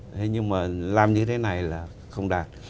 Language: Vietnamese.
thế nhưng mà làm như thế này là không đạt